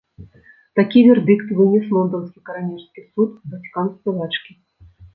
Такі вердыкт вынес лонданскі каранерскі суд бацькам спявачкі.